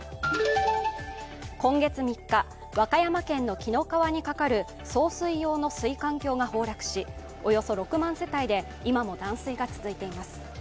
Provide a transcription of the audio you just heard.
今月３日、和歌山県の紀の川にかかる送水用の水管橋が崩落しおよそ６万世帯で今も断水が続いています。